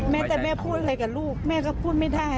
แต่แม่พูดอะไรกับลูกแม่ก็พูดไม่ได้